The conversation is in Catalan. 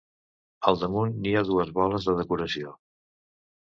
Al damunt hi ha dues boles de decoració.